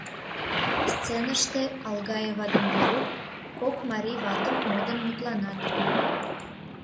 Сценыште Алгаева ден Верук кок марий ватым модын мутланат.